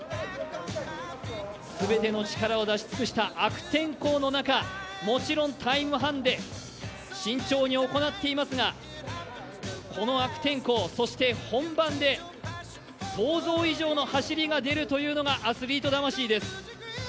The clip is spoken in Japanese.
全ての力を出し尽くした悪天候の中、もちろん、タイムハンデ、慎重に行っていますがこの悪天候、そして本番で想像以上の走りが出るというのがアスリート魂です。